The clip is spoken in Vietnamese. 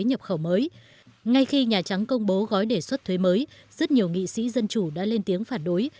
ngay khi nhà trắng công bố gói đề xuất thuế mới rất nhiều nghị sĩ dân chủ đã lên tiếng phản đối